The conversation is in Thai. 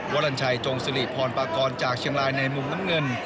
วรรณชัยจงสิริพรปากรจากเชียงรายในมุมน้ำเงิน